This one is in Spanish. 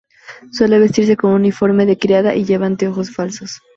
Suele vestirse con un uniforme de criada y lleva anteojos falsos.